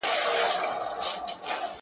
o مرم د بې وخته تقاضاوو، په حجم کي د ژوند.